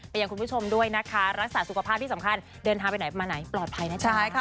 อย่างคุณผู้ชมด้วยนะคะรักษาสุขภาพที่สำคัญเดินทางไปไหนมาไหนปลอดภัยนะจ๊ะ